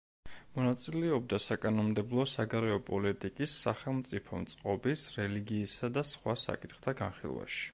მონაწილეობდა საკანონმდებლო, საგარეო პოლიტიკის, სახელმწიფო წყობის, რელიგიისა და სხვა საკითხთა განხილვაში.